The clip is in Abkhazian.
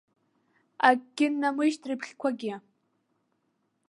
Акгьы ннамыжьт рыбӷьқәагьы.